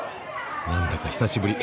何だか久しぶり。